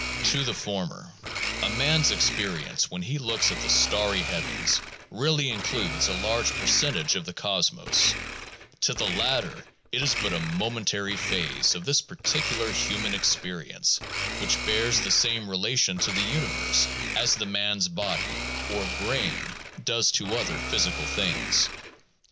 To the former, a man 's experience when he looks at the starry heavens really includes a large percentage of the cosmos ; to the latter it is but a momentary phase of this par ticular human experience, which bears the same relation to the universe as the man's body, or brain, does to other physical things.